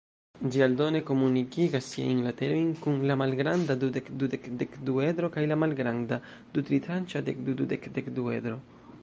Ĝi aldone komunigas siajn laterojn kun la malgranda dudek-dudek-dekduedro kaj la malgranda du-tritranĉa dekdu-dudek-dekduedro.